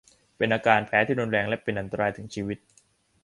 เป็นอาการแพ้ที่รุนแรงและเป็นอันตรายถึงชีวิต